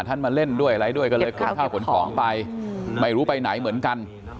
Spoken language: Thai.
มาเล่นด้วยอะไรด้วยก็เลยขนข้าวขนของไปไม่รู้ไปไหนเหมือนกัน